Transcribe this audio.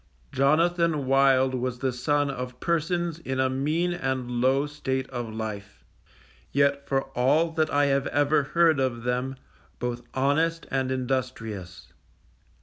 Jonathan Wild was the son of persons in a mean and low state of life, yet for all that I have ever heard of them, both honest and industrious.